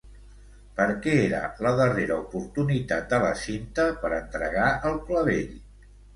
Per què era la darrera oportunitat de la Cinta per entregar el clavell?